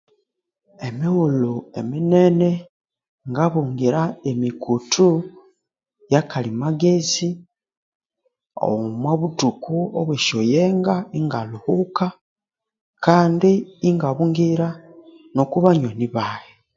Emighulhu eminene ngabungira emikuthu ya kalimagezi omwa buthuku obwa esyoyenga inga lhuhuka kandi ingabungira nuku banyoni baghe.